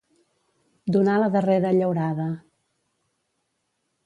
Donar la darrera llaurada.